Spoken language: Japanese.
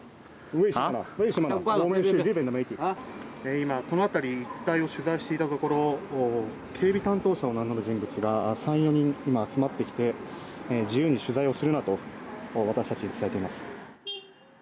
今、この辺り一帯を取材していたところ、警備担当者を名乗る人物が３、４人、今、集まってきて、自由に取材をするなと、私たちに伝えています。